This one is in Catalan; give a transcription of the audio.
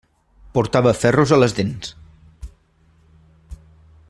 Portava ferros a les dents.